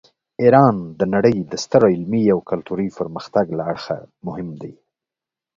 ایران د نړۍ د ستر علمي او کلتوري پرمختګ له اړخه مهم دی.